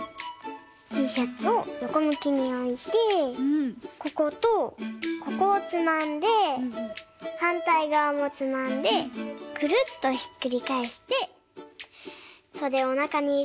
ティーシャツをよこむきにおいてこことここをつまんではんたいがわもつまんでくるっとひっくりかえしてそでをなかにいれればかんせい！